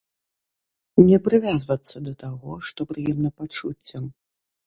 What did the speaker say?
Не прывязвацца да таго, што прыемна пачуццям.